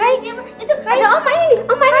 itu ada oma ini